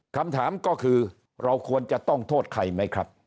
คำถามก็คือเราควรจะต้องโทษใครไหมครับ